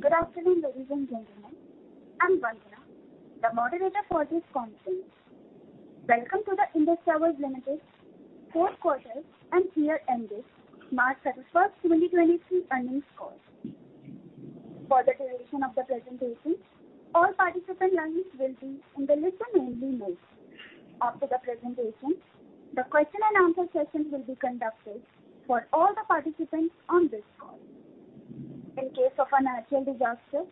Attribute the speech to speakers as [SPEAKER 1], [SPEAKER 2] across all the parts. [SPEAKER 1] Good afternoon, ladies and gentlemen. I'm Vandana, the moderator for this conference. Welcome to the Indus Towers Limited fourth quarter and year ended March 31st, 2023 earnings call. For the duration of the presentation, all participant lines will be in the listen-only mode. After the presentation, the question and answer session will be conducted for all the participants on this call. In case of a natural disaster,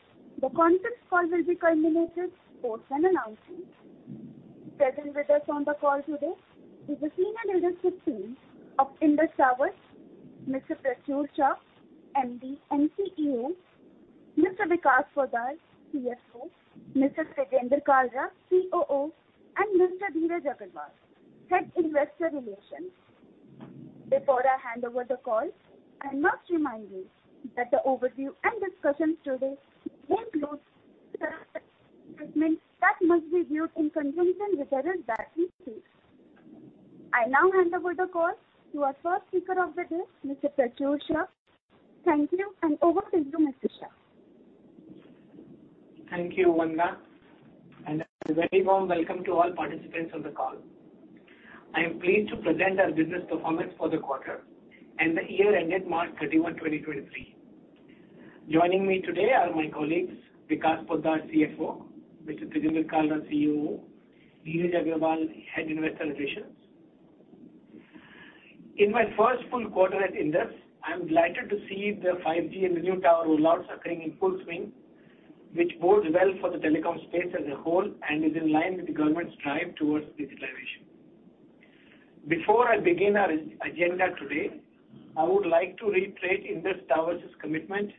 [SPEAKER 1] the conference call will be terminated post an announcement. Present with us on the call today is the senior leadership team of Indus Towers, Mr. Prachur Sah, MD and CEO, Mr. Vikas Poddar, CFO, Mr. Tejinder Kalra, COO, and Mr. Dheeraj Agarwal, Head Investor Relations. Before I hand over the call, I must remind you that the overview and discussion today may include certain statements that must be viewed in conjunction with others that we state. I now hand over the call to our first speaker of the day, Mr. Prachur Sah. Thank you. Over to you, Mr. Shah.
[SPEAKER 2] Thank you, Vandana, and a very warm welcome to all participants on the call. I am pleased to present our business performance for the quarter and the year ended March 31, 2023. Joining me today are my colleagues, Vikas Poddar, CFO; Mr. Tejinder Kalra, COO; Dheeraj Agarwal, Head Investor Relations. In my first full quarter at Indus, I'm delighted to see the 5G and the new tower rollouts occurring in full swing, which bodes well for the telecom space as a whole and is in line with the government's drive towards digitalization. Before I begin our agenda today, I would like to reiterate Indus Towers' commitment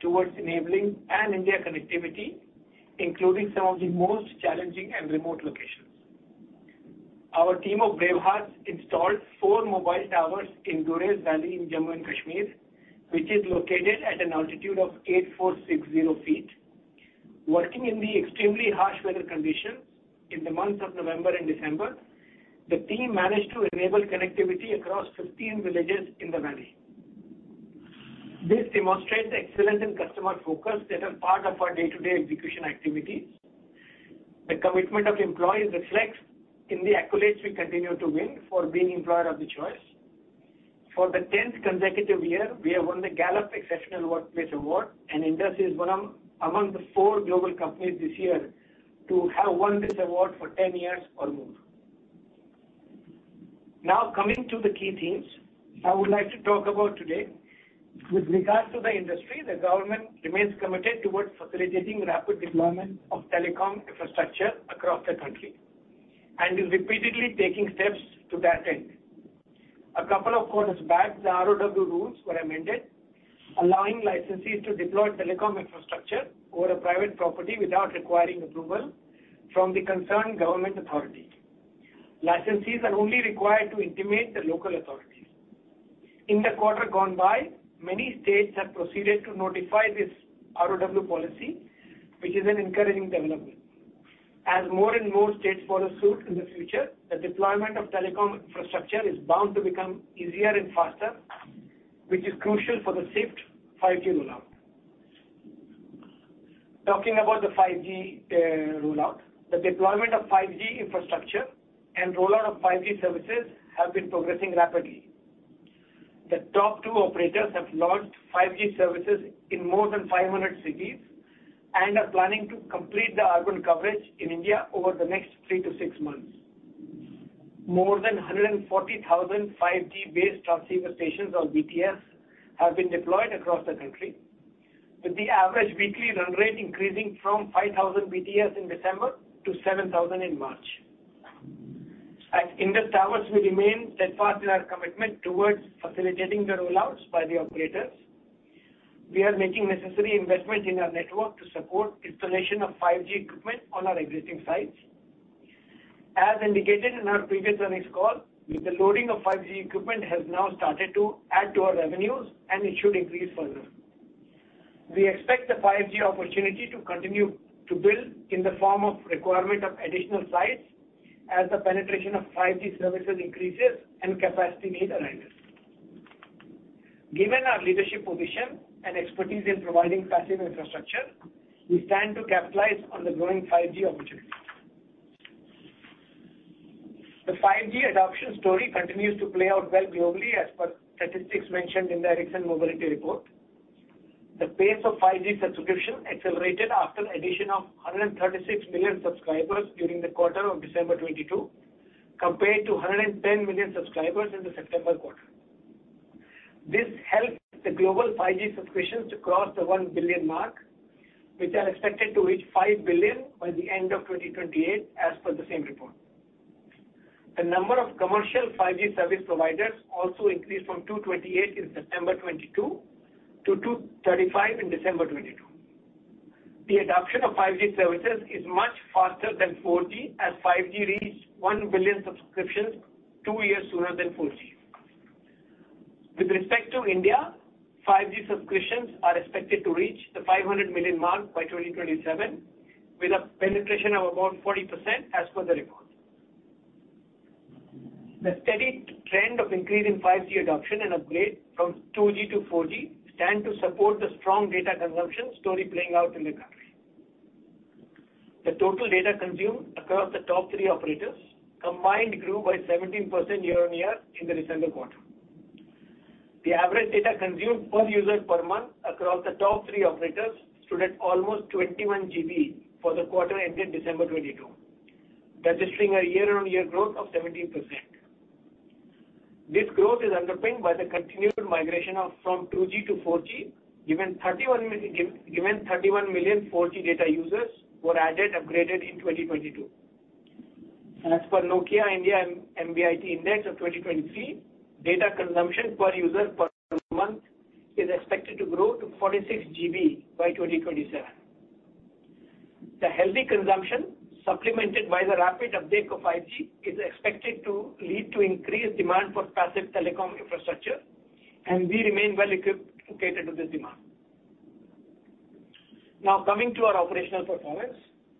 [SPEAKER 2] towards enabling pan-India connectivity, including some of the most challenging and remote locations. Our team of bravehearts installed four mobile towers in Gurez Valley in Jammu and Kashmir, which is located at an altitude of 8,460 feet. Working in the extremely harsh weather conditions in the months of November and December, the team managed to enable connectivity across 15 villages in the valley. This demonstrates the excellence and customer focus that are part of our day-to-day execution activities. The commitment of employees reflects in the accolades we continue to win for being employer of the choice. For the 10th consecutive year, we have won the Gallup Exceptional Workplace Award, and Indus Towers is among the four global companies this year to have won this award for 10 years or more. Coming to the key themes I would like to talk about today. With regards to the industry, the government remains committed towards facilitating rapid deployment of telecom infrastructure across the country and is repeatedly taking steps to that end. A couple of quarters back, the RoW rules were amended, allowing licensees to deploy telecom infrastructure over a private property without requiring approval from the concerned government authority. Licensees are only required to intimate the local authorities. In the quarter gone by, many states have proceeded to notify this RoW policy, which is an encouraging development. As more and more states follow suit in the future, the deployment of telecom infrastructure is bound to become easier and faster, which is crucial for the safe 5G rollout. Talking about the 5G rollout. The deployment of 5G infrastructure and rollout of 5G services have been progressing rapidly. The top two operators have launched 5G services in more than 500 cities and are planning to complete the urban coverage in India over the next three to six months. More than 140,000 5G-based transceiver stations or BTS have been deployed across the country, with the average weekly run rate increasing from 5,000 BTS in December to 7,000 in March. At Indus Towers, we remain steadfast in our commitment towards facilitating the rollouts by the operators. We are making necessary investment in our network to support installation of 5G equipment on our existing sites. As indicated in our previous earnings call, the loading of 5G equipment has now started to add to our revenues. It should increase further. We expect the 5G opportunity to continue to build in the form of requirement of additional sites as the penetration of 5G services increases and capacity need arises. Given our leadership position and expertise in providing passive infrastructure, we stand to capitalize on the growing 5G opportunity. The 5G adoption story continues to play out well globally as per statistics mentioned in the Ericsson Mobility Report. The pace of 5G subscription accelerated after addition of 136 million subscribers during the quarter of December 2022, compared to 110 million subscribers in the September quarter. This helped the global 5G subscriptions to cross the 1 billion mark, which are expected to reach 5 billion by the end of 2028 as per the same report. The number of commercial 5G service providers also increased from 228 in September 2022 to 235 in December 2022. The adoption of 5G services is much faster than 4G, as 5G reached 1 billion subscriptions two years sooner than 4G. With respect to India, 5G subscriptions are expected to reach the 500 million mark by 2027, with a penetration of about 40% as per the report. The steady trend of increasing 5G adoption and upgrade from 2G to 4G stand to support the strong data consumption story playing out in the country. The total data consumed across the top three operators combined grew by 17% year-on-year in the December quarter. The average data consumed per user per month across the top three operators stood at almost 21 GB for the quarter ending December 2022, registering a year-on-year growth of 17%. This growth is underpinned by the continued migration of from 2G to 4G, given 31 million 4G data users were added, upgraded in 2022. As per Nokia MBiT Index of 2023, data consumption per user per month is expected to grow to 46 GB by 2027. The healthy consumption, supplemented by the rapid uptake of 5G, is expected to lead to increased demand for passive telecom infrastructure, and we remain well equipped to cater to this demand. Coming to our operational performance.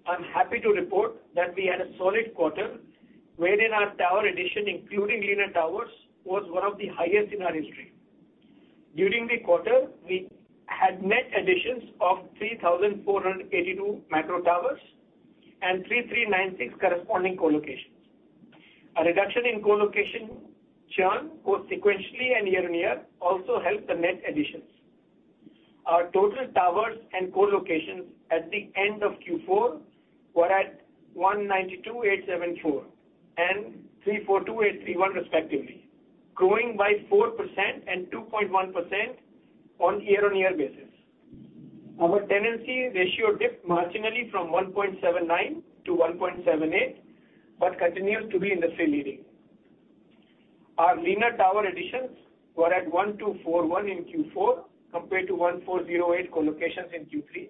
[SPEAKER 2] I'm happy to report that we had a solid quarter, wherein our tower addition, including leaner towers, was one of the highest in our history. During the quarter, we had net additions of 3,482 macro towers and 3,396 corresponding co-locations. A reduction in co-location churn, both sequentially and year-on-year, also helped the net additions. Our total towers and co-locations at the end of Q4 were at 192,874 and 342,831 respectively, growing by 4% and 2.1% on a year-over-year basis. Our tenancy ratio dipped marginally from 1.79 to 1.78, but continues to be industry-leading. Our leaner tower additions were at 1,241 in Q4, compared to 1,408 co-locations in Q3.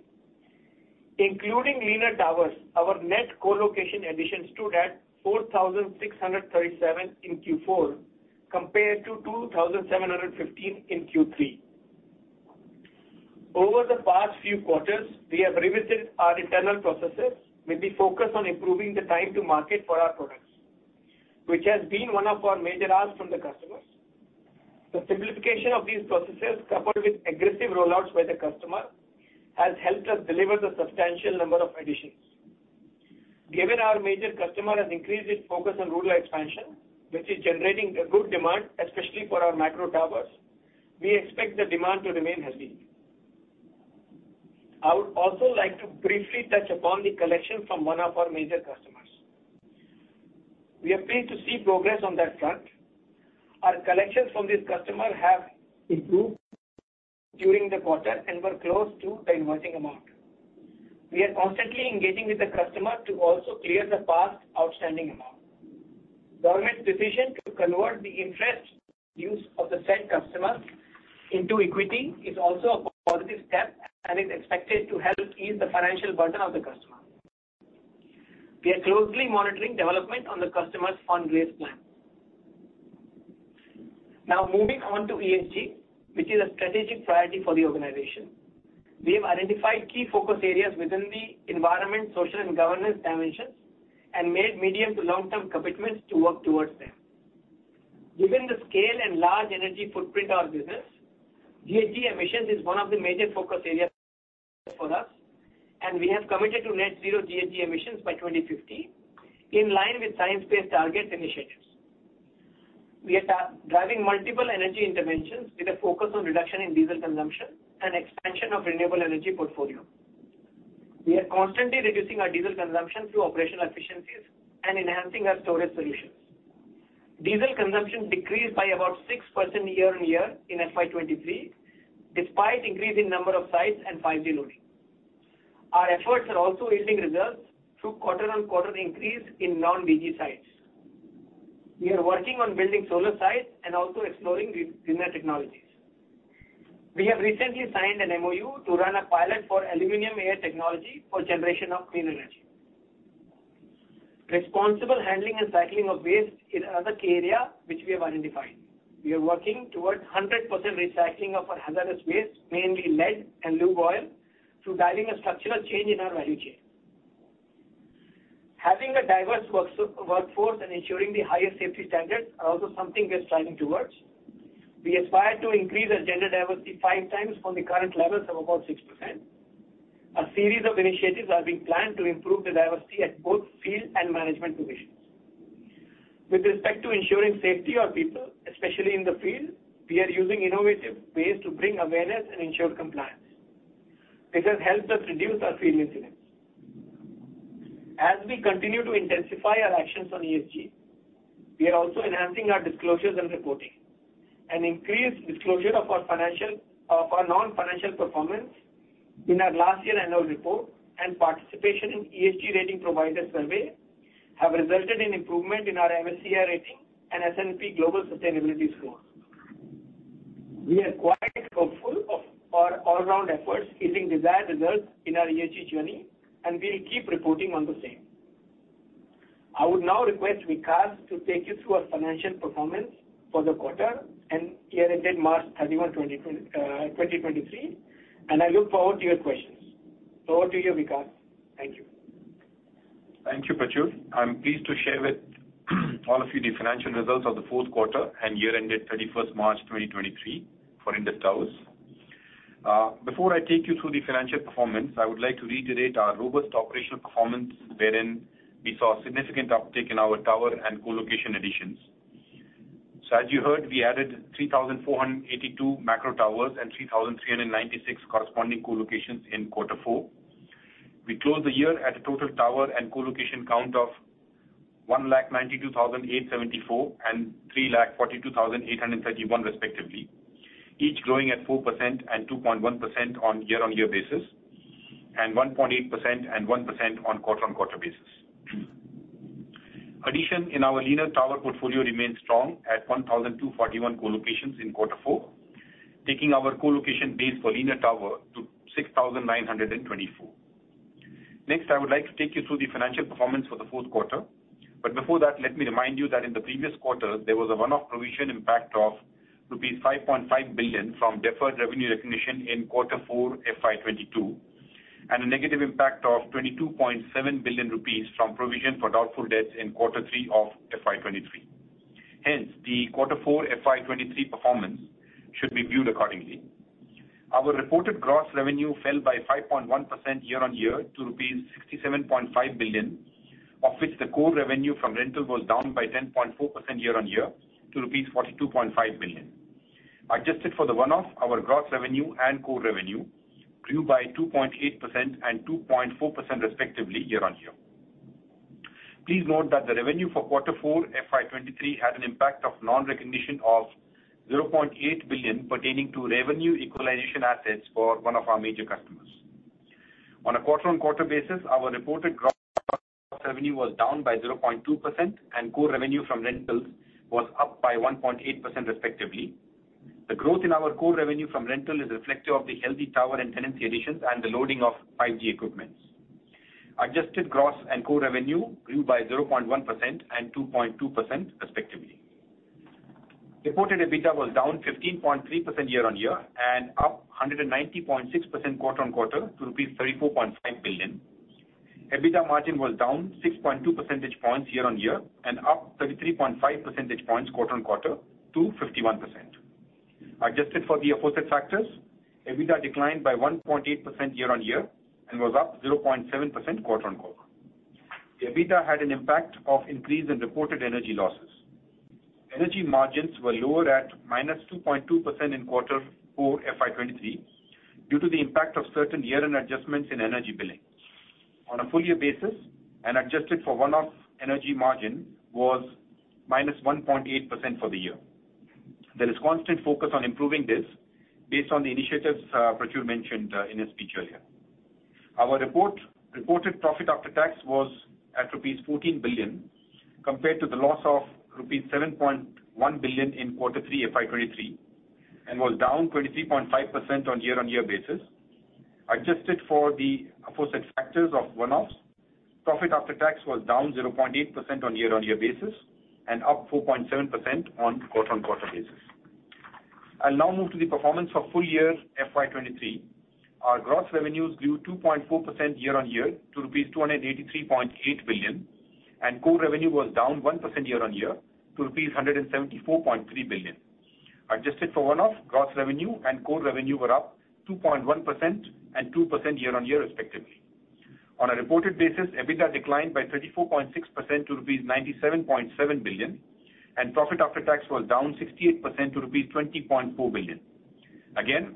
[SPEAKER 2] Including leaner towers, our net co-location additions stood at 4,637 in Q4, compared to 2,715 in Q3. Over the past few quarters, we have revisited our internal processes, with the focus on improving the time to market for our products, which has been one of our major asks from the customers. The simplification of these processes, coupled with aggressive rollouts by the customer, has helped us deliver the substantial number of additions. Given our major customer has increased its focus on rural expansion, which is generating a good demand, especially for our micro towers, we expect the demand to remain healthy. I would also like to briefly touch upon the collection from one of our major customers. We are pleased to see progress on that front. Our collections from this customer have improved during the quarter and were close to the invoicing amount. We are constantly engaging with the customer to also clear the past outstanding amount. government's decision to convert the interest use of the said customer into equity is also a positive step and is expected to help ease the financial burden of the customer. We are closely monitoring development on the customer's fund raise plan. Now, moving on to ESG, which is a strategic priority for the organization. We have identified key focus areas within the environment, social, and governance dimensions, and made medium to long-term commitments to work towards them. Given the scale and large energy footprint of business, GHG emissions is one of the major focus areas for us, and we have committed to net zero GHG emissions by 2050, in line with Science Based Targets initiative. We are driving multiple energy interventions with a focus on reduction in diesel consumption and expansion of renewable energy portfolio. We are constantly reducing our diesel consumption through operational efficiencies and enhancing our storage solutions. Diesel consumption decreased by about 6% year-on-year in FY 2023, despite increase in number of sites and 5G loading. Our efforts are also yielding results through quarter-on-quarter increase in non-DG sites. We are working on building solar sites and also exploring re-renter technologies. We have recently signed an MoU to run a pilot for aluminium-air technology for generation of clean energy. Responsible handling and cycling of waste is another key area which we have identified. We are working towards 100% recycling of our hazardous waste, mainly lead and lube oil, through driving a structural change in our value chain. Having a diverse workforce and ensuring the highest safety standards are also something we are striving towards. We aspire to increase our gender diversity five times from the current levels of about 6%. A series of initiatives are being planned to improve the diversity at both field and management positions. With respect to ensuring safety of people, especially in the field, we are using innovative ways to bring awareness and ensure compliance, which has helped us reduce our field incidents. As we continue to intensify our actions on ESG, we are also enhancing our disclosures and reporting. An increased disclosure of our non-financial performance in our last year annual report and participation in ESG rating provider survey have resulted in improvement in our MSCI rating and S&P Global Sustainability score. We are quite hopeful of our all-round efforts yielding desired results in our ESG journey, and we will keep reporting on the same. I would now request Vikas to take you through our financial performance for the quarter end, year ended March 31, 2023. I look forward to your questions. Over to you, Vikas. Thank you.
[SPEAKER 3] Thank you, Prachur Sah. I'm pleased to share with all of you the financial results of the fourth quarter and year-ended 31st March 2023 for Indus Towers. Before I take you through the financial performance, I would like to reiterate our robust operational performance, wherein we saw a significant uptick in our tower and co-location additions. As you heard, we added 3,482 macro towers and 3,396 corresponding co-locations in quarter four. We closed the year at a total tower and co-location count of 192,874 and 342,831 respectively, each growing at 4% and 2.1% on year-on-year basis, and 1.8% and 1% on quarter-on-quarter basis. Addition in our lean tower portfolio remains strong at 1,241 co-locations in Q4, taking our co-location base for lean tower to 6,924. Next, I would like to take you through the financial performance for the fourth quarter. Before that, let me remind you that in the previous quarter, there was a one-off provision impact of rupees 5.5 billion from deferred revenue recognition in Q4 FY22, and a negative impact of 22.7 billion rupees from provision for doubtful debts in Q3 of FY23. Hence, the Q4 FY23 performance should be viewed accordingly. Our reported gross revenue fell by 5.1% year-on-year to rupees 67.5 billion, of which the core revenue from rental was down by 10.4% year-on-year to rupees 42.5 billion. Adjusted for the one-off, our gross revenue and core revenue grew by 2.8% and 2.4% respectively year-on-year. Please note that the revenue for quarter four FY 2023 had an impact of non-recognition of 0.8 billion pertaining to revenue equalization assets for one of our major customers. On a quarter-on-quarter basis, our reported gross revenue was down by 0.2% and core revenue from rentals was up by 1.8% respectively. The growth in our core revenue from rental is reflective of the healthy tower and tenancy additions and the loading of 5G equipments. Adjusted gross and core revenue grew by 0.1% and 2.2% respectively. Reported EBITDA was down 15.3% year-on-year and up 190.6% quarter-on-quarter to rupees 34.5 billion. EBITDA margin was down 6.2 percentage points year-on-year and up 33.5 percentage points quarter-on-quarter to 51%. Adjusted for the aforesaid factors, EBITDA declined by 1.8% year-on-year and was up 0.7% quarter-on-quarter. The EBITDA had an impact of increase in reported energy losses. Energy margins were lower at -2.2% in Q4 FY23 due to the impact of certain year-end adjustments in energy billing. On a full year basis, and adjusted for one-off energy margin, was -1.8% for the year. There is constant focus on improving this based on the initiatives, Prachur mentioned in his speech earlier. Our reported profit after tax was at rupees 14 billion, compared to the loss of rupees 7.1 billion in quarter three FY23, and was down 23.5% on year-on-year basis. Adjusted for the aforesaid factors of one-offs, profit after tax was down 0.8% on year-on-year basis and up 4.7% on quarter-on-quarter basis. I'll now move to the performance for full year FY23. Our gross revenues grew 2.4% year-on-year to rupees 283.8 billion, and core revenue was down 1% year-on-year to rupees 174.3 billion. Adjusted for one-off, gross revenue and core revenue were up 2.1% and 2% year-on-year respectively. On a reported basis, EBITDA declined by 34.6% to rupees 97.7 billion, and profit after tax was down 68% to rupees 20.4 billion.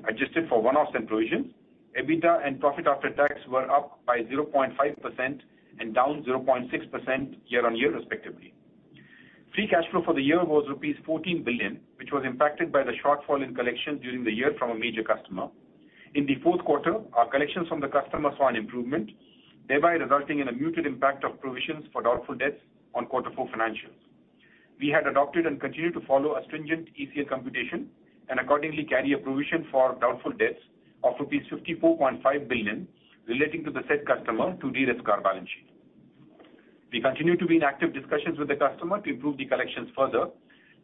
[SPEAKER 3] Adjusted for one-offs and provisions, EBITDA and profit after tax were up by 0.5% and down 0.6% year-on-year respectively. Free cash flow for the year was rupees 14 billion, which was impacted by the shortfall in collection during the year from a major customer. In the fourth quarter, our collections from the customer saw an improvement, thereby resulting in a muted impact of provisions for doubtful debts on quarter four financials. We had adopted and continue to follow a stringent ECL computation and accordingly carry a provision for doubtful debts of rupees 54.5 billion relating to the said customer to de-risk our balance sheet. We continue to be in active discussions with the customer to improve the collections further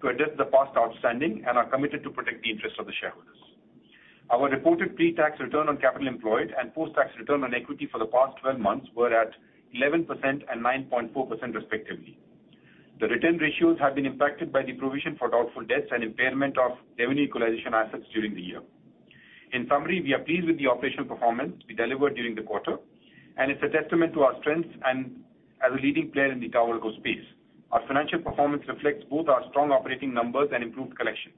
[SPEAKER 3] to address the past outstanding and are committed to protect the interest of the shareholders. Our reported pre-tax return on capital employed and post-tax return on equity for the past 12 months were at 11% and 9.4% respectively. The return ratios have been impacted by the provision for doubtful debts and impairment of revenue equalization assets during the year. In summary, we are pleased with the operational performance we delivered during the quarter, and it's a testament to our strengths and as a leading player in the tower co space. Our financial performance reflects both our strong operating numbers and improved collection.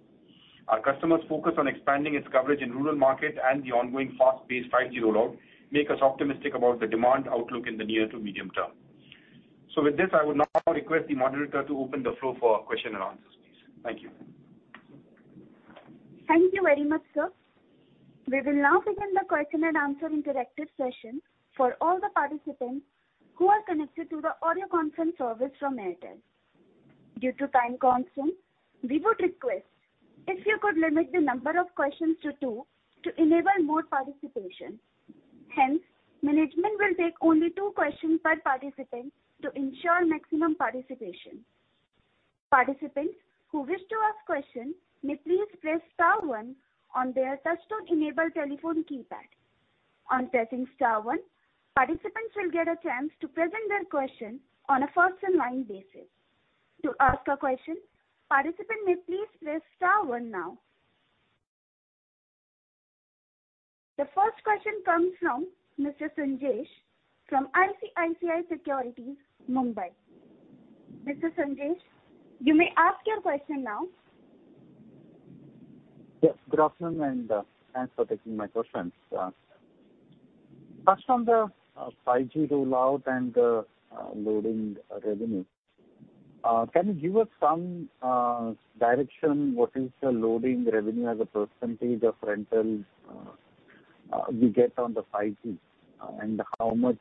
[SPEAKER 3] Our customers' focus on expanding its coverage in rural market and the ongoing fast-paced 5G rollout make us optimistic about the demand outlook in the near to medium term. With this, I would now request the moderator to open the floor for question and answers, please. Thank you.
[SPEAKER 1] Thank you very much, sir. We will now begin the question and answer interactive session for all the participants who are connected to the audio conference service from Airtel. Due to time constraint, we would request if you could limit the number of questions to two to enable more participation. Hence, management will take only two questions per participant to ensure maximum participation. Participants who wish to ask questions may please press star one on their touch-tone enabled telephone keypad. On pressing star one, participants will get a chance to present their question on a first-in-line basis. To ask a question, participant may please press star one now. The first question comes from Mr. Sanjesh from ICICI Securities, Mumbai. Mr. Sanjesh, you may ask your question now.
[SPEAKER 4] Yes. Good afternoon, and thanks for taking my questions. First on the 5G rollout and loading revenue. Can you give us some direction what is the loading revenue as a % of rentals we get on the 5G, and how much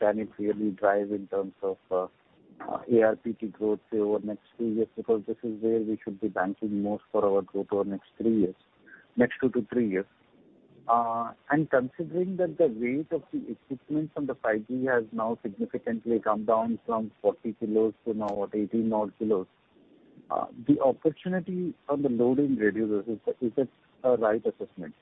[SPEAKER 4] can it really drive in terms of ARPT growth say over next three years because this is where we should be banking most for our growth over next three years, next two to three years? Considering that the weight of the equipment from the 5G has now significantly come down from 40 kilos to now what, 18 odd kilos, the opportunity on the loading radios, is it a right assessment?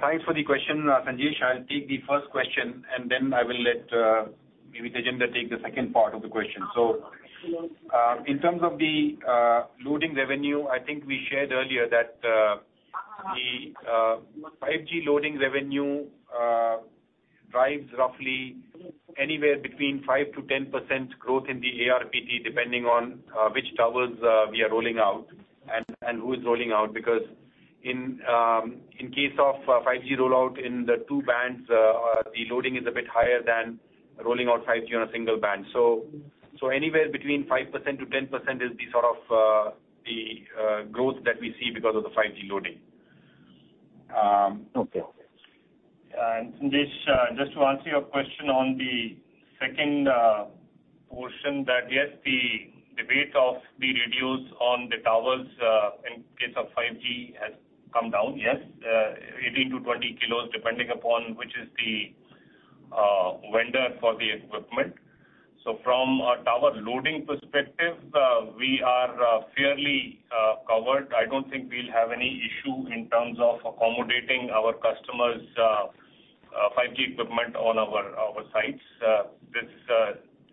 [SPEAKER 5] Thanks for the question, Sanjesh. I'll take the first question, and then I will let maybe Tejinder take the second part of the question. In terms of the loading revenue, I think we shared earlier that the 5G loading revenue drives roughly anywhere between 5%-10% growth in the ARPT, depending on which towers we are rolling out and who is rolling out. Because in case of 5G rollout in the two bands, the loading is a bit higher than rolling out 5G on a single band. Anywhere between 5%-10% is the sort of growth that we see because of the 5G loading.
[SPEAKER 4] Okay.
[SPEAKER 5] Sanjesh, just to answer your question on the second portion that, yes, the weight of the radios on the towers, in case of 5G has come down. Yes. 18 to 20 kilos, depending upon which is the vendor for the equipment. From a tower loading perspective, we are fairly covered. I don't think we'll have any issue in terms of accommodating our customers' 5G equipment on our sites. This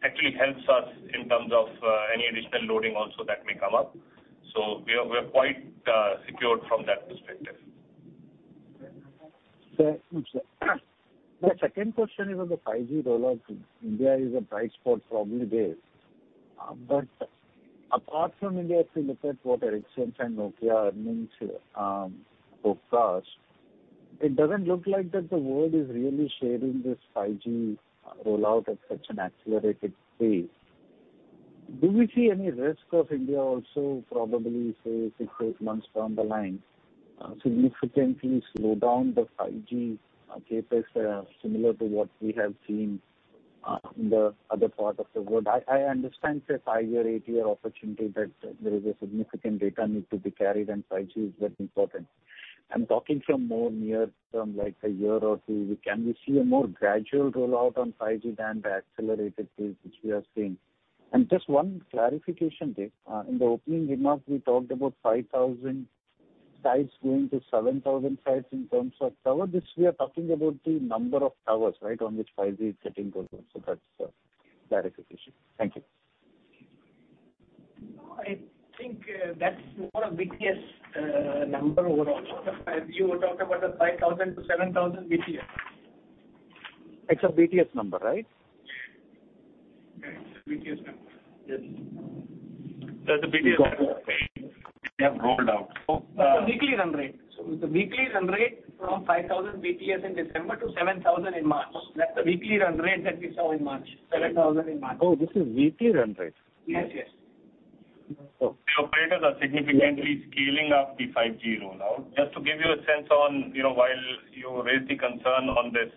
[SPEAKER 5] actually helps us in terms of any additional loading also that may come up. We are, we are quite secured from that perspective.
[SPEAKER 4] The second question is on the 5G rollout. India is a bright spot, probably there. Apart from India, if you look at what Ericsson and Nokia earnings forecast, it doesn't look like that the world is really sharing this 5G rollout at such an accelerated pace. Do we see any risk of India also probably, say, six-eight months down the line, significantly slow down the 5G CapEx, similar to what we have seen in the other part of the world? I understand it's a five-year, eight-year opportunity that there is a significant data need to be carried, and 5G is very important. I'm talking from more near term, like one or two years. Can we see a more gradual rollout on 5G than the accelerated pace which we are seeing? Just one clarification, Dev. In the opening remarks, we talked about 5,000 sites going to 7,000 sites in terms of tower. This we are talking about the number of towers, right, on which 5G is getting rolled out. That's the clarification. Thank you.
[SPEAKER 2] No, I think, that's more of BTS, number overall. The 5G, we talked about the 5,000-7,000 BTS.
[SPEAKER 4] It's a BTS number, right?
[SPEAKER 5] Yeah, it's a BTS number. Yes.
[SPEAKER 4] You got it. Okay.
[SPEAKER 5] We have rolled out.
[SPEAKER 2] The weekly run rate. The weekly run rate from 5,000 BTS in December to 7,000 in March. That's the weekly run rate that we saw in March, 7,000 in March.
[SPEAKER 4] Oh, this is weekly run rate.
[SPEAKER 2] Yes, yes.
[SPEAKER 4] Oh.
[SPEAKER 5] The operators are significantly scaling up the 5G rollout. Just to give you a sense on, you know, while you raised the concern on this,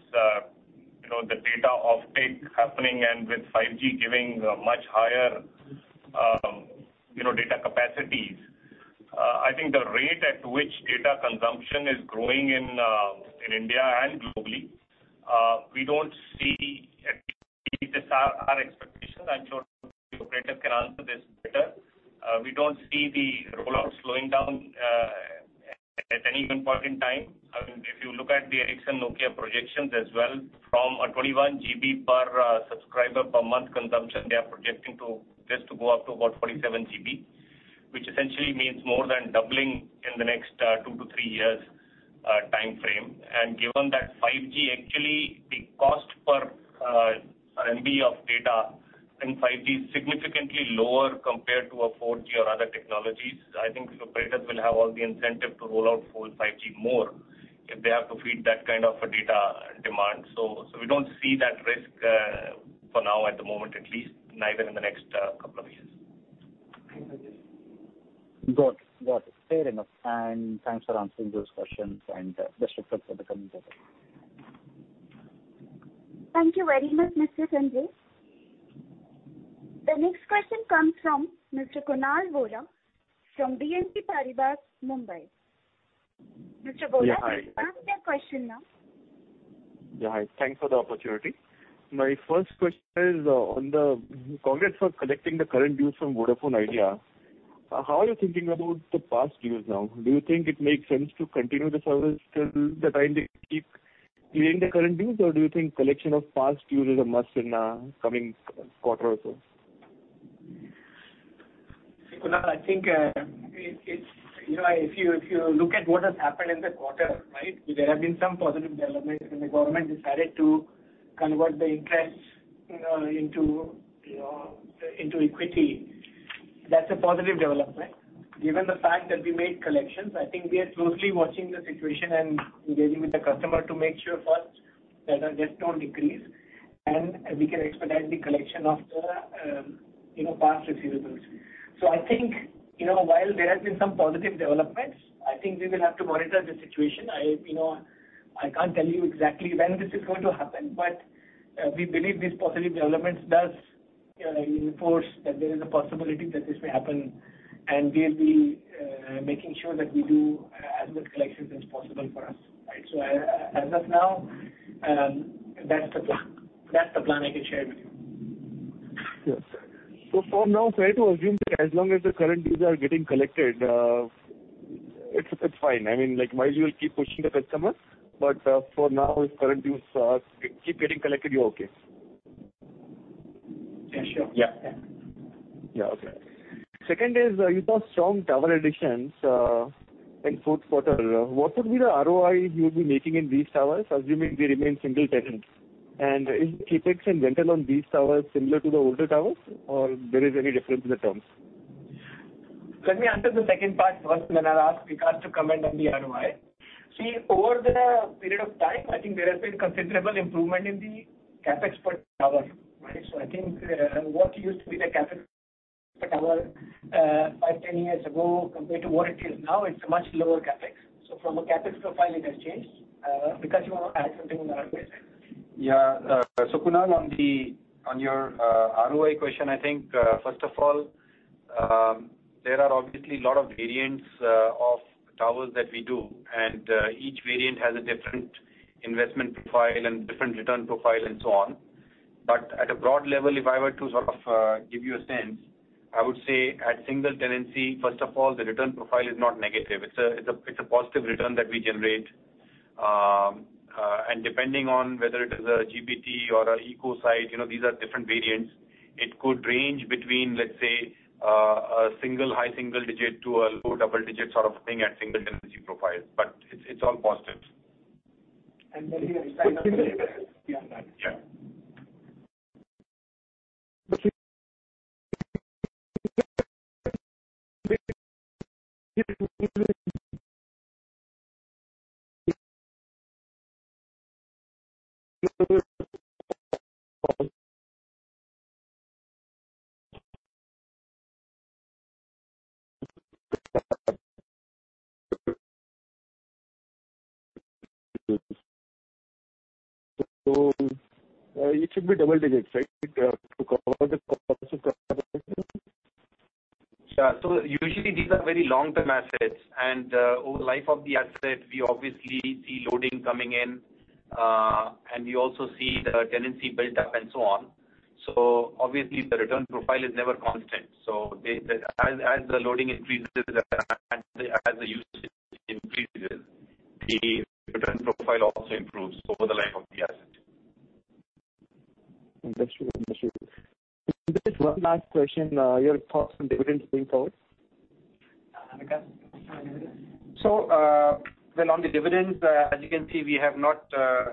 [SPEAKER 5] you know, the data offtake happening and with 5G giving much higher, you know, data capacities. I think the rate at which data consumption is growing in India and globally, we don't see, at least this our expectation. I'm sure the operator can answer this better. We don't see the rollout slowing down at any given point in time. I mean, if you look at the Ericsson, Nokia projections as well, from a 21 GB per subscriber per month consumption, they are projecting to this to go up to about 47 GB, which essentially means more than doubling in the next two to three years timeframe. Given that 5G actually the cost per MB of data in 5G is significantly lower compared to a 4G or other technologies. I think the operators will have all the incentive to roll out full 5G more if they have to feed that kind of a data demand. We don't see that risk for now at the moment at least, neither in the next couple of years.
[SPEAKER 4] Got it. Got it. Fair enough. Thanks for answering those questions and best regards for the coming quarter.
[SPEAKER 1] Thank you very much, Mr. Sanjesh. The next question comes from Mr. Kunal Vora from BNP Paribas, Mumbai. Mr. Vora, please go ahead with your question now.
[SPEAKER 6] Hi. Thanks for the opportunity. My first question is on the progress for collecting the current dues from Vodafone Idea. How are you thinking about the past dues now? Do you think it makes sense to continue the service till the time they keep clearing their current dues, or do you think collection of past due is a must in coming quarter also?
[SPEAKER 2] Kunal, I think, it's You know, if you look at what has happened in the quarter, right? There have been some positive developments. The government decided to convert the interest, you know, into, you know, into equity. That's a positive development. Given the fact that we made collections, I think we are closely watching the situation and engaging with the customer to make sure first that our debts don't decrease, and we can expedite the collection of the, you know, past receivables. I think, you know, while there has been some positive developments, I think we will have to monitor the situation. I, you know, I can't tell you exactly when this is going to happen, but we believe these positive developments does, you know, reinforce that there is a possibility that this may happen, and we'll be making sure that we do as much collections as possible for us. Right. As of now, that's the plan. That's the plan I can share with you.
[SPEAKER 6] Yes. For now, try to assume that as long as the current dues are getting collected, it's fine. I mean, like, while you will keep pushing the customer, but, for now, if current dues keep getting collected, you're okay.
[SPEAKER 2] Yeah, sure. Yeah.
[SPEAKER 6] Yeah. Okay. Second is, you saw strong tower additions, in fourth quarter. What would be the ROI you'll be making in these towers, assuming they remain single tenants? Is CapEx and rental on these towers similar to the older towers or there is any difference in the terms?
[SPEAKER 2] Let me answer the second part first, then I'll ask Vikas to comment on the ROI. See, over the period of time, I think there has been considerable improvement in the CapEx per tower, right? I think, what used to be the CapEx per tower, five, 10 years ago compared to what it is now, it's a much lower CapEx. From a CapEx profile, it has changed. Vikas, you want to add something on the ROI side?
[SPEAKER 3] Kunal, on your ROI question, I think, first of all, there are obviously a lot of variants of towers that we do, and each variant has a different investment profile and different return profile and so on. At a broad level, if I were to sort of give you a sense, I would say at single tenancy, first of all, the return profile is not negative. It's a positive return that we generate. And depending on whether it is a GBT or a eco site, you know, these are different variants. It could range between, let's say, a single, high single digit to a low double digit sort of thing at single tenancy profile. It's all positive.
[SPEAKER 2] We have signed up beyond that.
[SPEAKER 3] Yeah.
[SPEAKER 6] It should be double digits, right? To cover the cost of capital.
[SPEAKER 3] Usually these are very long-term assets. Over the life of the asset, we obviously see loading coming in, and we also see the tenancy build up and so on. Obviously the return profile is never constant. As the loading increases, as the usage increases, the return profile also improves over the life of the asset.
[SPEAKER 6] Understood. Understood. Just one last question. Your thoughts on dividends going forward?
[SPEAKER 2] Vikas, you want to comment on dividends?
[SPEAKER 3] Well, on the dividends, as you can see, we have not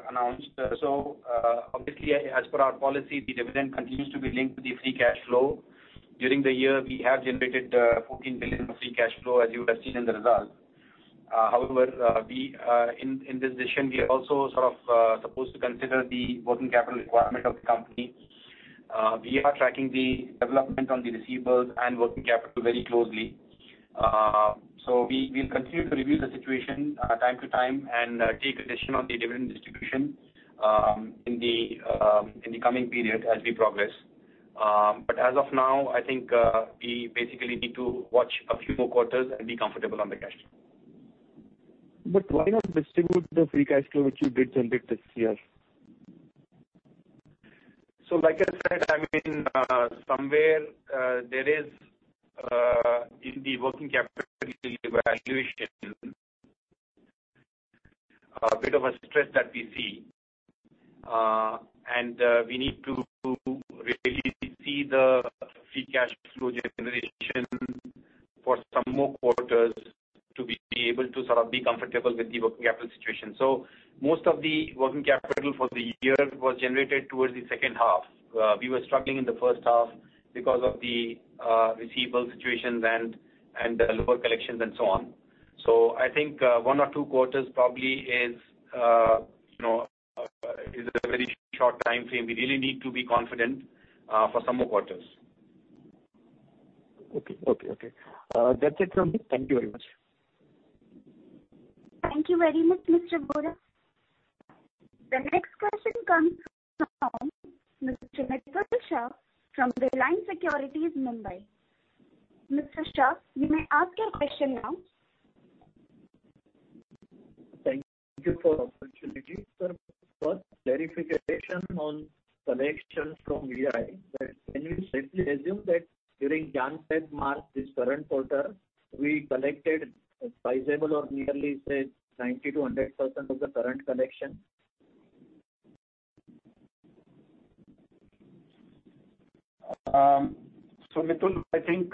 [SPEAKER 3] announced. Obviously, as per our policy, the dividend continues to be linked to the free cash flow. During the year, we have generated 14 billion of free cash flow, as you would have seen in the result. However, we, in this decision, we are also sort of supposed to consider the working capital requirement of the company. We are tracking the development on the receivables and working capital very closely. We, we'll continue to review the situation time to time and take a decision on the dividend distribution in the coming period as we progress. As of now, I think, we basically need to watch a few more quarters and be comfortable on the cash.
[SPEAKER 6] Why not distribute the free cash flow which you did generate this year?
[SPEAKER 3] Like I said, I mean, somewhere, there is, in the working capital evaluation, a bit of a stress that we see. And, we need to really see the free cash flow generation for some more quarters to be able to sort of be comfortable with the working capital situation. Most of the working capital for the year was generated towards the second half. We were struggling in the first half because of the receivables situations and the lower collections and so on. I think, one or two quarters probably is, you know, is a very short timeframe. We really need to be confident, for some more quarters.
[SPEAKER 6] Okay. Okay. Okay. That's it from me. Thank you very much.
[SPEAKER 1] Thank you very much, Mr. Vora. The next question comes from Mr. Mitul Shah from Reliance Securities, Mumbai. Mr. Shah, you may ask your question now.
[SPEAKER 7] Thank you for the opportunity, sir. First, verification on collections from Vi. That can we safely assume that during January, February, March, this current quarter, we collected a sizable or nearly say 90%-100% of the current collection?
[SPEAKER 3] Mitul, I think,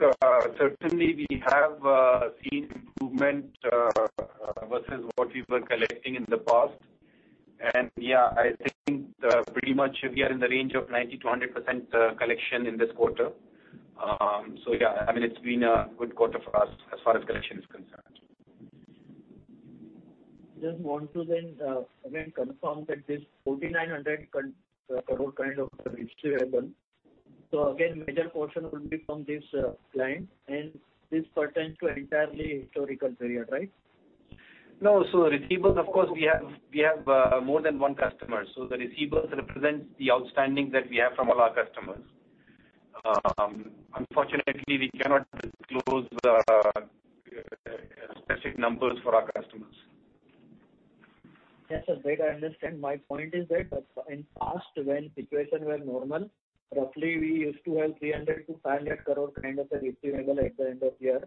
[SPEAKER 3] certainly we have seen improvement versus what we were collecting in the past. Yeah, I think, pretty much we are in the range of 90%-100% collection in this quarter. Yeah, I mean, it's been a good quarter for us as far as collection is concerned.
[SPEAKER 7] Just want to then, again confirm that this 4,900 crore kind of receivable. Again, major portion will be from this, client, and this pertains to entirely historical period, right?
[SPEAKER 3] No. Receivables, of course, we have, more than one customer. The receivables represent the outstanding that we have from all our customers. Unfortunately, we cannot disclose the specific numbers for our customers.
[SPEAKER 7] Yes, sir. Great. I understand. My point is that in past when situation were normal, roughly we used to have 300 crore-500 crore kind of a receivable at the end of year.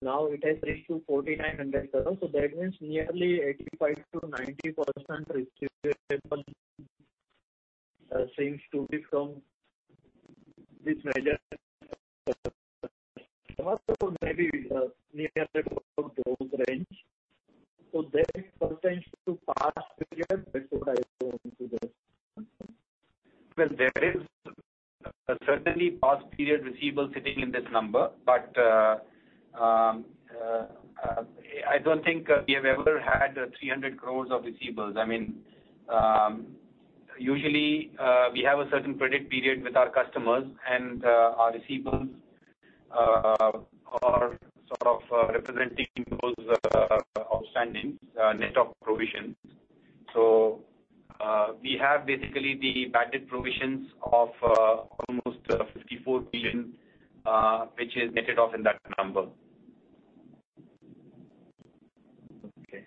[SPEAKER 7] Now it has reached to 4,900 crore. That means nearly 85%-90% receivable, seems to be from this major maybe, near that about those range. That pertains to past period. That's what I want to just confirm.
[SPEAKER 3] There is certainly past period receivables sitting in this number. I don't think we have ever had 300 crores of receivables. I mean, usually, we have a certain credit period with our customers, and our receivables are sort of representing those outstandings net of provisions. We have basically the batted provisions of almost 54 billion, which is netted off in that number.
[SPEAKER 7] Okay.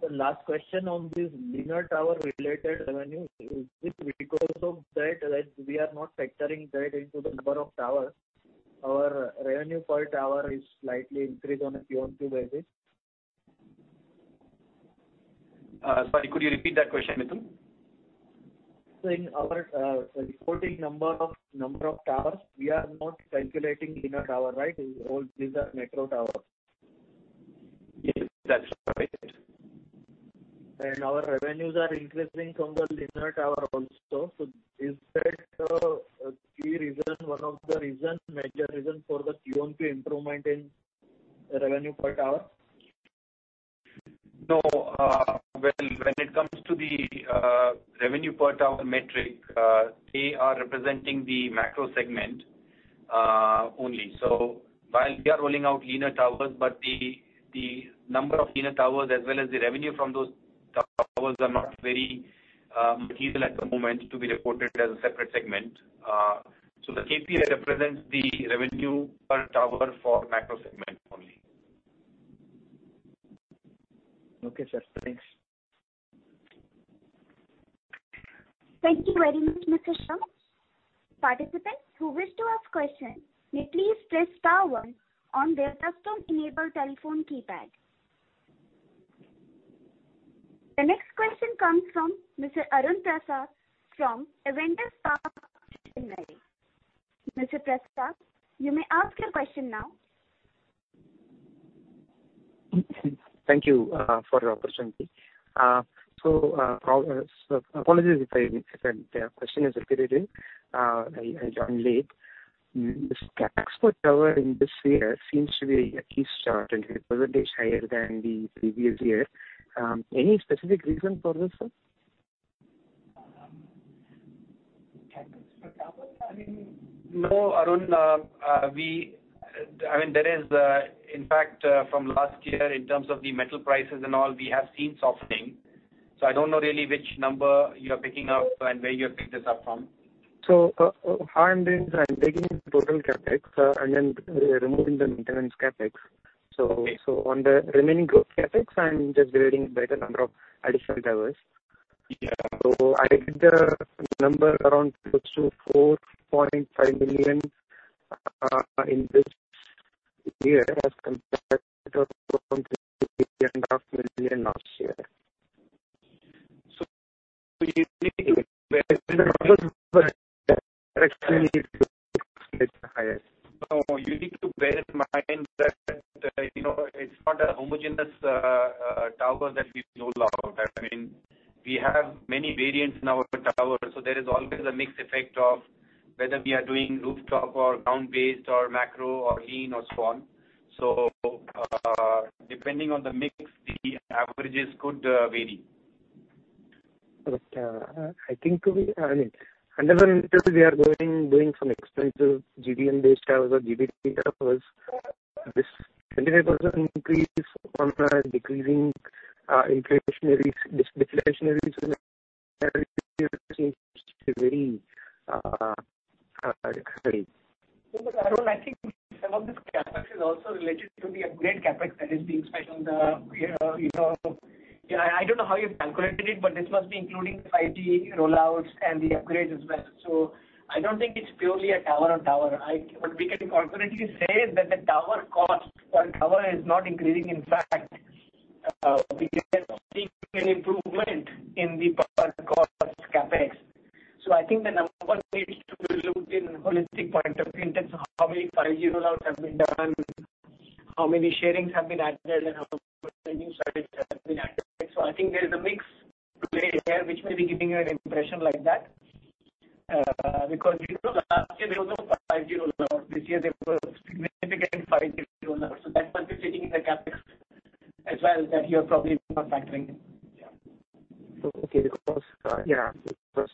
[SPEAKER 7] Sir, last question on this leaner tower related revenue. Is this because of that, right, we are not factoring that into the number of towers? Our revenue per tower is slightly increased on a QOQ basis.
[SPEAKER 3] Sorry, could you repeat that question, Mitul?
[SPEAKER 7] In our reporting number of towers, we are not calculating leaner tower, right? All these are macro towers.
[SPEAKER 3] Yes, that's right.
[SPEAKER 7] Our revenues are increasing from the leaner tower also. Is that a key reason, one of the reasons, major reason for the QOQ improvement in revenue per tower?
[SPEAKER 3] No. when it comes to the revenue per tower metric, they are representing the macro segment only. While we are rolling out leaner towers, but the number of leaner towers as well as the revenue from those towers are not very material at the moment to be reported as a separate segment. The KPI represents the revenue per tower for macro segment only.
[SPEAKER 7] Okay, sir. Thanks.
[SPEAKER 1] Thank you very much, Mr. Shah. Participants who wish to ask questions may please press star one on their custom enable telephone keypad. The next question comes from Mr. Arun Prasath from Spark Capital, Chennai. Mr. Prasath, you may ask your question now.
[SPEAKER 8] Thank you, for the opportunity. Apologies if I, if a question is repeated. I joined late. This CapEx per tower in this year seems to be at least 20% higher than the previous year. Any specific reason for this, sir?
[SPEAKER 3] CapEx per tower? I mean, No, Arun, I mean, there is, in fact, from last year in terms of the metal prices and all, we have seen softening. I don't know really which number you are picking up and where you have picked this up from.
[SPEAKER 8] How I'm doing is I'm taking total CapEx, and then removing the maintenance CapEx.
[SPEAKER 3] Okay.
[SPEAKER 8] On the remaining growth CapEx, I'm just dividing by the number of additional towers.
[SPEAKER 3] Yeah.
[SPEAKER 8] I get the number around close to 4.5 million in this year as compared to 2.5 million last year. Highest.
[SPEAKER 3] No. You need to bear in mind that, you know, it's not a homogeneous tower that we know about. I mean, we have many variants in our towers, so there is always a mixed effect of whether we are doing rooftop or ground-based or macro or lean or so on. Depending on the mix, the averages could vary.
[SPEAKER 8] Okay. I think to be, I mean, under the interest we are doing some expensive GDN-based towers or GDN towers. This 25% increase on a decreasing, inflationary, disflationary seems to be hard.
[SPEAKER 2] Arun, I think some of this CapEx is also related to the upgrade CapEx that is being spent on the, you know. I don't know how you've calculated it, this must be including 5G rollouts and the upgrades as well. I don't think it's purely a tower on tower. What we can confidently say is that the tower cost per tower is not increasing. In fact, we can see an improvement in the per cost CapEx. I think the number needs to be looked in holistic point of view in terms of how many 5G rollouts have been done, how many sharings have been added, and how many new sites have been added. I think there is a mix to play here, which may be giving you an impression like that. Because, you know, last year there was no 5G rollout. This year there was significant 5G rollout. That must be sitting in the CapEx as well that you're probably not factoring in. Yeah.
[SPEAKER 8] Okay. Of course. Yeah. Of course,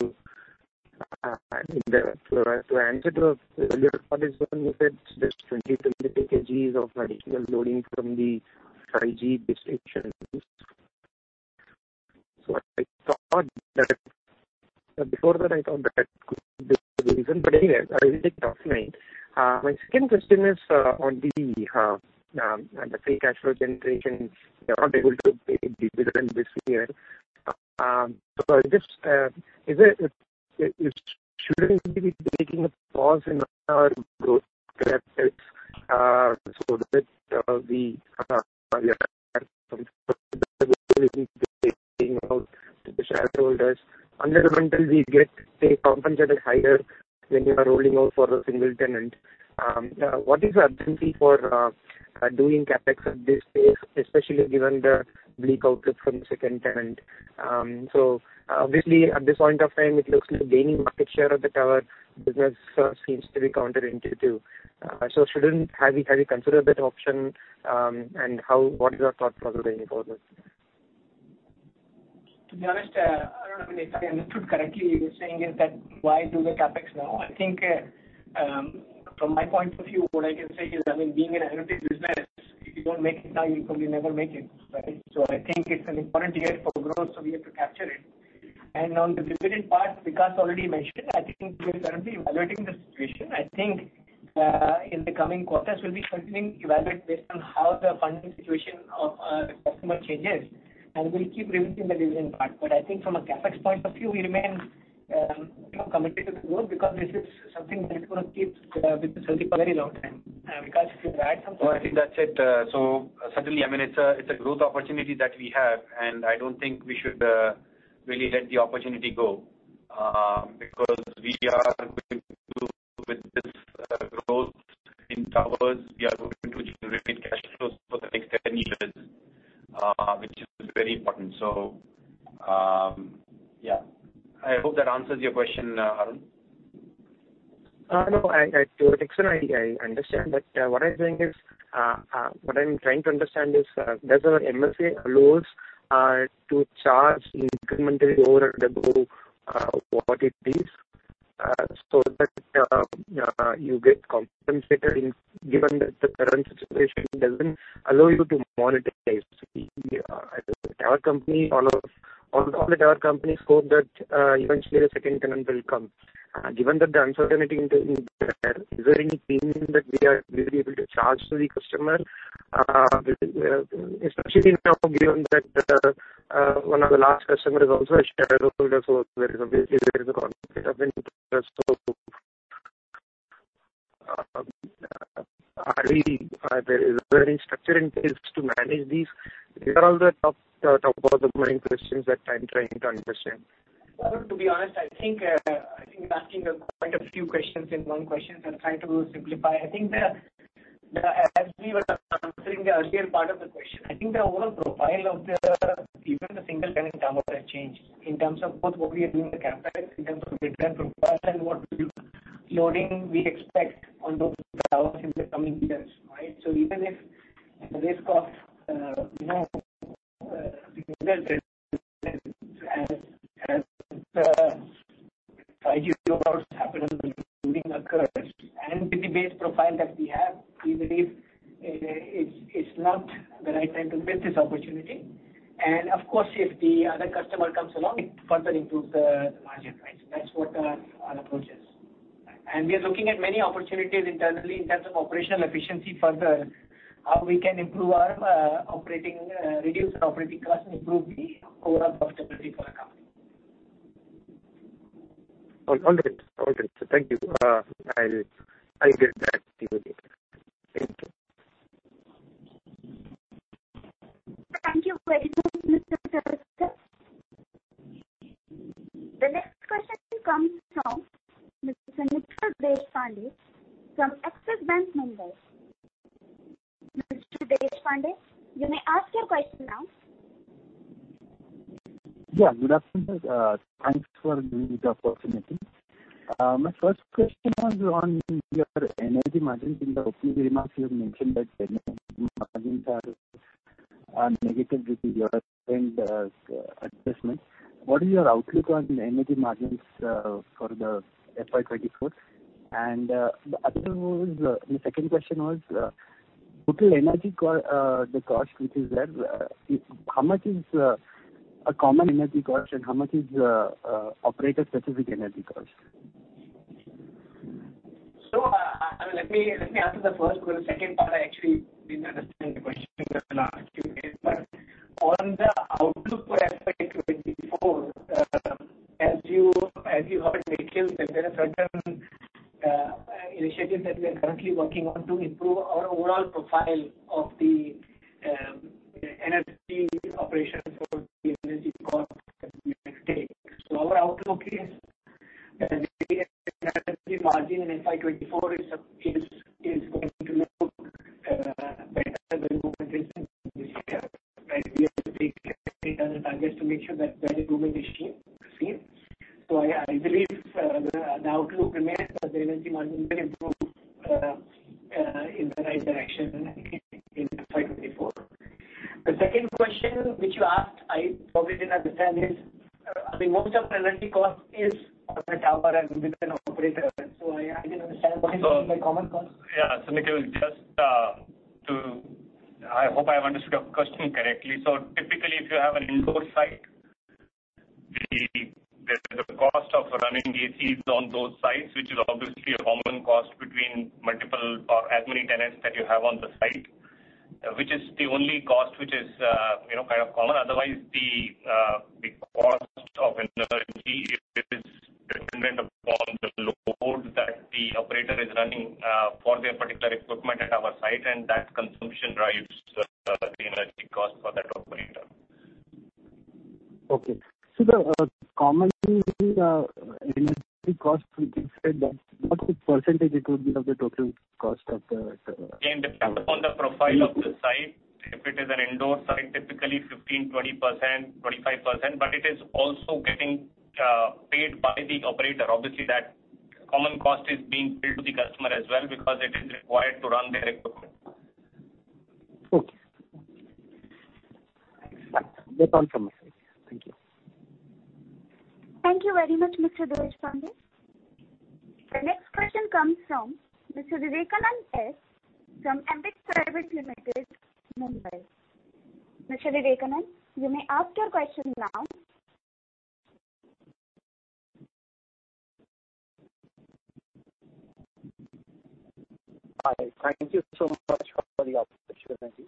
[SPEAKER 8] true. I mean, answer to earlier part is when you said there's 20 kg of additional loading from the 5G distributions. I thought that, before that I thought that could be the reason, anyway, I will take your offline. My second question is on the free cash flow generation, you're not able to pay dividend this year. I just, shouldn't we be taking a pause in our growth CapEx so that we, you know, have some comfortable position to paying out to the shareholders? Until we get, say, compensation higher when we are rolling out for a single tenant. What is the urgency for doing CapEx at this phase, especially given the bleak outlook from the second tenant? Obviously at this point of time, it looks like gaining market share of the tower business seems to be counterintuitive. Have you considered that option? What is your thought process behind this?
[SPEAKER 2] To be honest, Arun, I mean, if I understood correctly, you're saying is that why do the CapEx now? I think, from my point of view, what I can say is, I mean, being in a rented business, if you don't make it now, you probably never make it, right? I think it's an important year for growth, so we have to capture it. On the dividend part, Vikas already mentioned, I think we are currently evaluating the situation. I think, in the coming quarters, we'll be continuing to evaluate based on how the funding situation of the customer changes, and we'll keep reviewing the dividend part. I think from a CapEx point of view, we remain, you know, committed to the growth because this is something that's gonna keep with us for a very long time. Vikas, if you could add something.
[SPEAKER 3] I think that's it. Certainly, I mean, it's a growth opportunity that we have, and I don't think we should really let the opportunity go because we are going to, with this growth in towers, we are going to generate cash flows for the next 10 years, which is very important. Yeah. I hope that answers your question, Arun.
[SPEAKER 8] No. I... To an extent, I understand. What I think is, what I'm trying to understand is, does our MSA allows to charge incrementally over and above what it is, so that you get compensated in... Given that the current situation doesn't allow you to monetize. The tower company or all the tower companies hope that eventually a second tenant will come. Given that the uncertainty into there, is there anything that we are really able to charge to the customer? Especially now given that the one of the last customer is also a shareholder, so there is obviously a conflict of interest. Is there any structure in place to manage these? These are all the top of the mind questions that I'm trying to understand.
[SPEAKER 2] Arun, to be honest, I think, I think you're asking, quite a few questions in one question. I'll try to simplify. I think as we were answering the earlier part of the question, I think the overall profile of the, even the single tenant towers have changed in terms of both what we are doing with the CapEx, in terms of the return profile and what loading we expect on those towers in the coming years, right? Even if at the risk of, you know, single tenant, as, 5G rollouts happen and the building occurs and with the base profile that we have, we believe it's not the right time to miss this opportunity. Of course, if the other customer comes along, it further improves the margin, right? That's what, our approach is. We are looking at many opportunities internally in terms of operational efficiency further, how we can improve our operating reduce our operating cost and improve the overall profitability for our company.
[SPEAKER 8] All good. All good. Thank you. I'll get back to you. Thank you.
[SPEAKER 1] Thank you very much, Mr. Sarathy. The next question comes from Mr. Nitin Deshpande from Axis Bank Limited. Mr. Deshpande, you may ask your question now.
[SPEAKER 9] Yeah. Good afternoon. Thanks for giving me the opportunity. My first question was on your energy margins. In the opening remarks, you have mentioned that margins are negative due to your adjustments. What is your outlook on energy margins for the FY 2024? The other was, the second question was, total energy cost which is there, how much is a common energy cost and how much is operator-specific energy cost?
[SPEAKER 2] Let me answer the first one. The second part I actually didn't understand the question but on the outlook for FY 2024, as you have already said, there are certain initiatives
[SPEAKER 5] I hope I have understood your question correctly. Typically if you have an indoor site, the cost of running AC is on those sites, which is obviously a common cost between multiple or as many tenants that you have on the site, which is the only cost which is, you know, kind of common. Otherwise the cost of energy is dependent upon the load that the operator is running for their particular equipment at our site, and that consumption drives the energy cost for that operator.
[SPEAKER 9] Okay. The common energy cost inside that, what percentage it would be of the total cost of the?
[SPEAKER 5] Depends upon the profile of the site. If it is an indoor site, typically 15, 20%, 25%. It is also getting paid by the operator. Obviously that common cost is being billed to the customer as well because it is required to run their equipment.
[SPEAKER 9] Okay. That's all from my side. Thank you.
[SPEAKER 1] Thank you very much, Mr. Deshpande. The next question comes from Mr. Vivekanand S from Ambit Private Limited, Mumbai. Mr. Vivekanand, you may ask your question now.
[SPEAKER 10] Hi, thank you so much for the opportunity.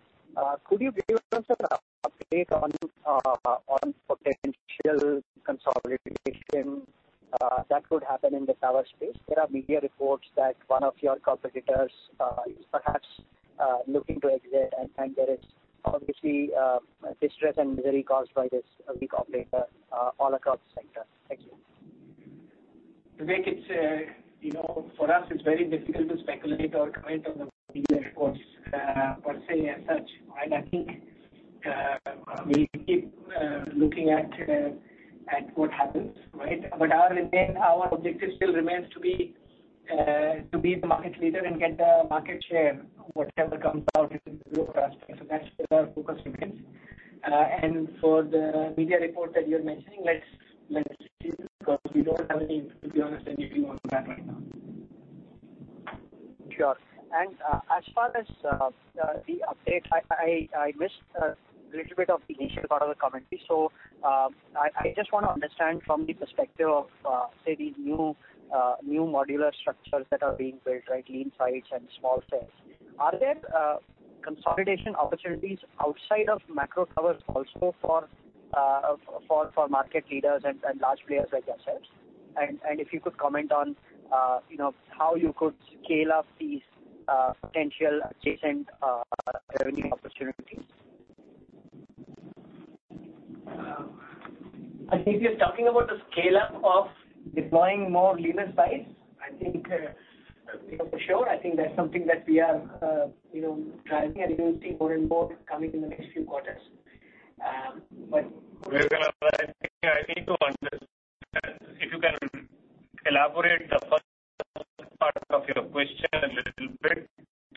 [SPEAKER 10] Could you give us an update on potential consolidation that could happen in the tower space? There are media reports that one of your competitors is perhaps looking to exit, and there is obviously distress and misery caused by this big operator all across the sector. Thank you.
[SPEAKER 2] Vivek, it's, you know, for us it's very difficult to speculate or comment on the media reports per se as such. I think we'll keep looking at what happens, right. Our objective still remains to be the market leader and get the market share, whatever comes out in due course. That's where our focus remains. For the media report that you're mentioning, let's see, because we don't have any, to be honest, any view on that right now.
[SPEAKER 10] Sure. As far as the update, I missed little bit of the initial part of the commentary. I just wanna understand from the perspective of say these new modular structures that are being built, right? Lean sites and small cells. Are there consolidation opportunities outside of macro towers also for market leaders and large players like yourselves? If you could comment on, you know, how you could scale up these potential adjacent revenue opportunities.
[SPEAKER 2] I think you're talking about the scale-up of deploying more lean sites. I think, you know, for sure. I think that's something that we are, you know, driving and you will see more and more coming in the next few quarters.
[SPEAKER 5] Vivek, I think I need to understand, if you can elaborate the first part of your question a little bit.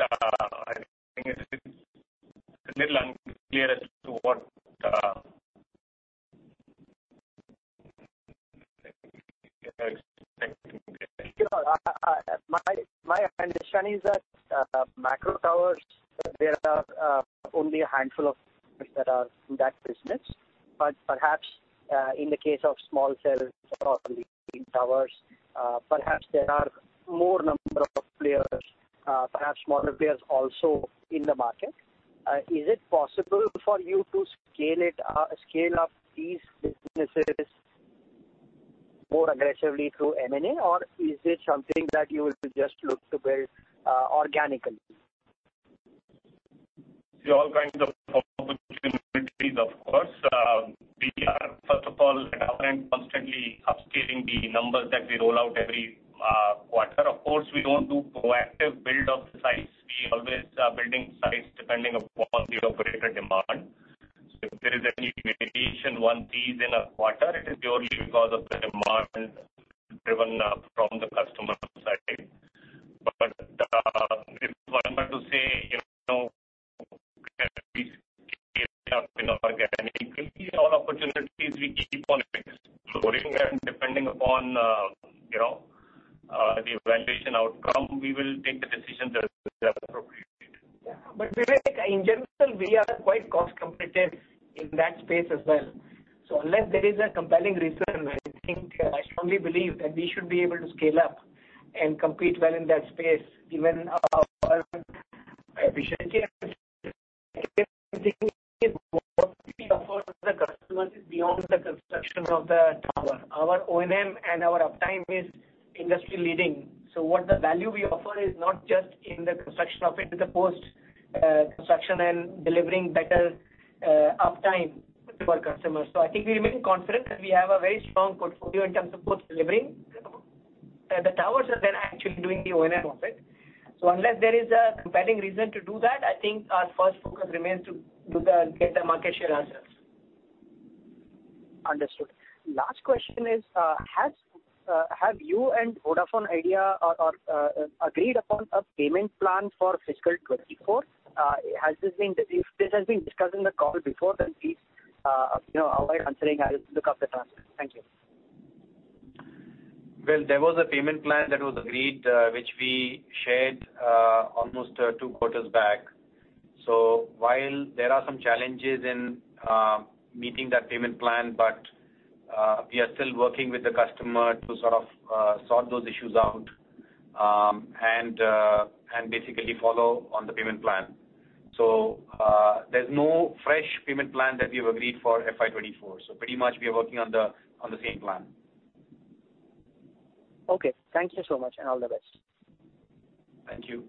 [SPEAKER 5] I think it's a little unclear as to what.
[SPEAKER 10] Sure. My understanding is that macro towers, there are only a handful of that are in that business. Perhaps in the case of small cells or lean towers, perhaps there are more number of players, perhaps smaller players also in the market. Is it possible for you to scale it, scale up these businesses more aggressively through M&A, or is it something that you will just look to build organically?
[SPEAKER 5] See all kinds of opportunities, of course. We are, first of all, at our end, constantly upscaling the numbers that we roll out every quarter. Of course, we don't do proactive builds depending upon the operator demand. If there is any variation one sees in a quarter, it is purely because of the demand driven from the customer side. If one were to say, you know, can we scale up inorganically, all opportunities we keep on a mix. Depending upon, you know, the evaluation outcome, we will take the decision that is appropriate.
[SPEAKER 2] Vivek, in general, we are quite cost competitive in that space as well. Unless there is a compelling reason, I think, I strongly believe that we should be able to scale up and compete well in that space given our efficiency what we offer the customers is beyond the construction of the tower. Our O&M and our uptime is industry-leading. What the value we offer is not just in the construction of it, but the post construction and delivering better uptime to our customers. I think we remain confident that we have a very strong portfolio in terms of both delivering the towers and then actually doing the O&M of it. Unless there is a compelling reason to do that, I think our first focus remains to get the market share answers.
[SPEAKER 10] Understood. Last question is, have you and Vodafone Idea, or agreed upon a payment plan for fiscal 2024? If this has been discussed in the call before then please, you know, avoid answering. I'll look up the transcript. Thank you.
[SPEAKER 5] There was a payment plan that was agreed, which we shared, almost two quarters back. While there are some challenges in meeting that payment plan, but we are still working with the customer to sort of sort those issues out, and basically follow on the payment plan. There's no fresh payment plan that we have agreed for FY 2024. Pretty much we are working on the, on the same plan.
[SPEAKER 10] Okay. Thank you so much, and all the best.
[SPEAKER 5] Thank you.